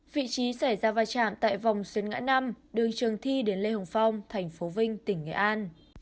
vị trí xảy ra va chạm tại vòng xuyến ngã năm đường trường thi đến lê hồng phong thành phố vinh tỉnh nghệ an